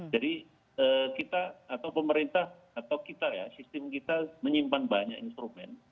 jadi kita atau pemerintah atau kita ya sistem kita menyimpan banyak instrumen